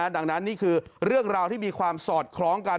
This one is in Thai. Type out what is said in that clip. ดังนั้นนี่คือเรื่องราวที่มีความสอดคล้องกัน